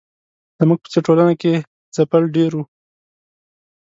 زموږ په څېر ټولنه کې ځپل ډېر وو.